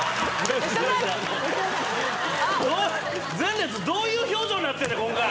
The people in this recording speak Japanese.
前列どういう表情になってんねん今回